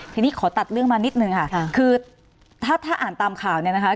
ทีนี้ขอตัดเรื่องมานิดนึงค่ะคือถ้าถ้าอ่านตามข่าวเนี่ยนะคะ